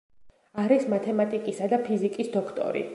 არის მათემატიკისა და ფიზიკის დოქტორი.